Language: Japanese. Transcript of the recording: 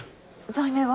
罪名は？